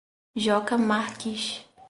Joca Marques